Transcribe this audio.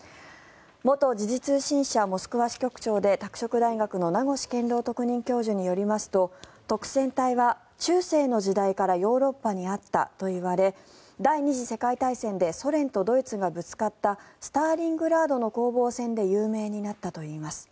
元時事通信社モスクワ支局長で拓殖大学の名越健郎特任教授によりますと督戦隊は中世の時代からヨーロッパにあったといわれ第２次世界大戦でソ連とドイツがぶつかったスターリングラードの攻防戦で有名になったといいます。